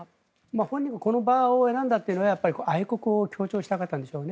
本人もこの場を選んだというのは愛国を強調したかったんでしょうね。